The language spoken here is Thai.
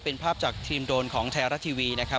เป็นภาพจากทีมโดนของไทยรัฐทีวีนะครับ